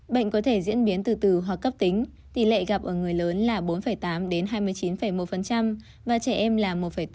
bệnh có thể diễn biến từ từ hoặc cấp tính tỷ lệ gặp ở người lớn là bốn tám hai mươi chín một và trẻ em là một bốn